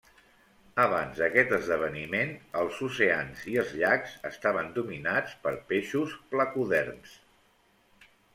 Abans d’aquest esdeveniment, els oceans i els llacs estaven dominats per peixos placoderms.